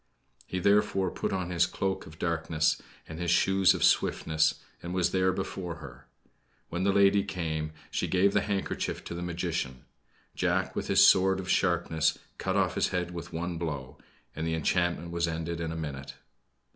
He, therefore, put on his coat of darkness, and his shoes of swiftness, and was there before her. When the lady came, she gave the handkerchief to the magician. Jack with his sword of sharpness cut off his head with one blow; and the enchantment was ended in a minute.